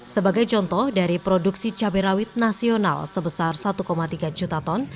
sebagai contoh dari produksi cabai rawit nasional sebesar satu tiga juta ton